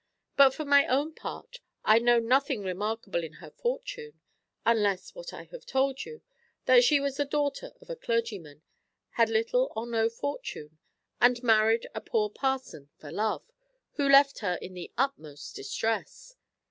But for my own part, I know nothing remarkable in her fortune, unless what I have told you, that she was the daughter of a clergyman, had little or no fortune, and married a poor parson for love, who left her in the utmost distress.